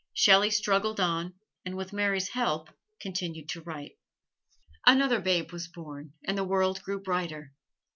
Shelley struggled on and with Mary's help continued to write. Another babe was born and the world grew brighter.